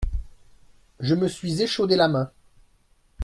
Je me suis échaudé la main !